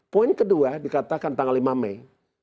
poin kedua dikatakan tanggal lima mei